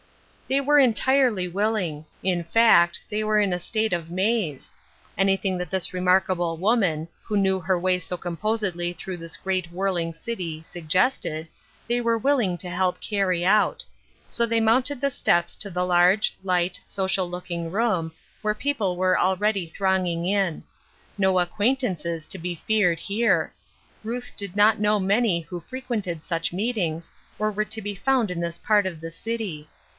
They were entirely willing ; in fact, they were in a state of maze. Anything that this remark able woman — who knew her way so composedly through this great whirling city — suggested, they were wilKng to help carry out. So they mounted the steps to the large, light, social looking room, where people were already throng ing in. No acquaintances to be feared here. Ruth did not now know many who frequented such meetings, or were to be found in this part of the city.